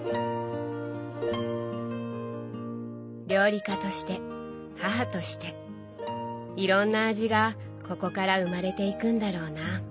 料理家として母としていろんな味がここから生まれていくんだろうな。